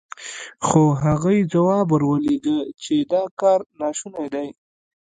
خو هغوی ځواب ور ولېږه چې دا کار ناشونی دی.